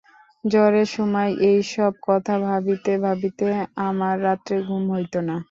জ্বরের সময় এই-সব কথা ভাবিতে ভাবিতে আমার রাত্রে ঘুম হইত না।